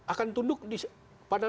akan tunduk pada